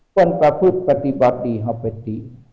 เป็นประพฤติปฏิบัติเข้าไปตี้